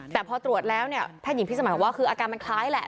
แต่พอตรวจแล้วเนี่ยแพทย์หญิงพิสมัยบอกว่าคืออาการมันคล้ายแหละ